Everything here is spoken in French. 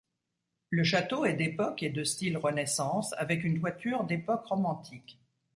Le château est d'époque et de style Renaissance, avec une toiture d'époque romantique.